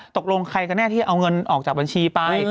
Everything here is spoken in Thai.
ตกลงใครกันแน่ที่เอาเงินออกจากบัญชีไป